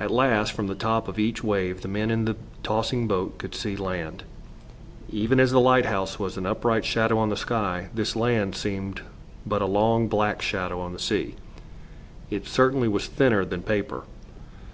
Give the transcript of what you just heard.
At last, from the top of each wave the men in the tossing boat could see land. Even as the lighthouse was an upright shadow on the sky, this land seemed but a long black shadow on the sea. It certainly was thinner than paper.